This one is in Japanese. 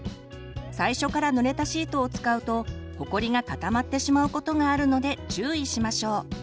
最初からぬれたシートを使うとほこりが固まってしまうことがあるので注意しましょう。